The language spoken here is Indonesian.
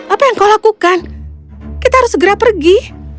apa yang kau lakukan kita harus segera pergi